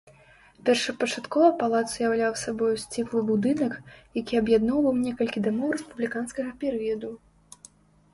Першапачаткова палац уяўляў сабою сціплы будынак, які аб'ядноўваў некалькіх дамоў рэспубліканскага перыяду.